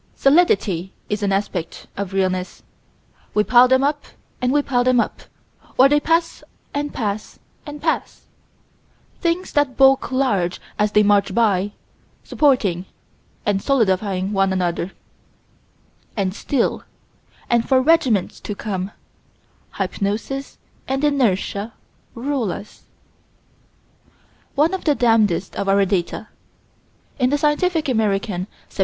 Solidity is an aspect of realness. We pile them up, and we pile them up, or they pass and pass and pass: things that bulk large as they march by, supporting and solidifying one another And still, and for regiments to come, hypnosis and inertia rule us One of the damnedest of our data: In the Scientific American, Sept.